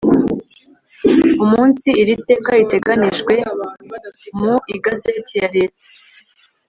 umunsi iri teka ritanganijwe mu igazeti ya leta